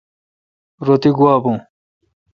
رو تی گوا بھو۔